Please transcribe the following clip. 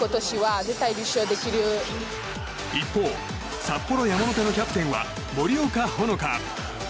一方、札幌山の手のキャプテンは森岡ほのか。